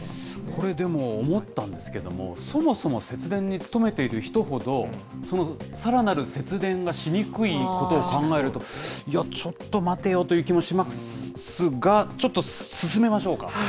これでも、思ったんですけれども、そもそも、節電に努めている人ほど、そのさらなる節電がしにくいことを考えると、いや、ちょっと待てよという気もしますが、ちょっと進めましょうか。